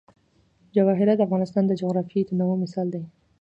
جواهرات د افغانستان د جغرافیوي تنوع مثال دی.